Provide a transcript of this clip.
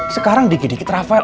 sekarang dikit dikit rafael